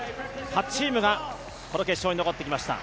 ８チームがこの決勝に残ってきました。